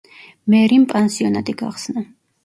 მერიმ პანსიონატი გახსნა.